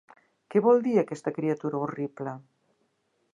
Què vol dir aquesta criatura horrible?